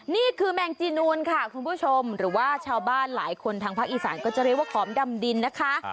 นี่คือแมงจีนูนค่ะคุณผู้ชมหรือว่าชาวบ้านหลายคนทางภาคอีสานก็จะเรียกว่าขอมดำดินนะคะ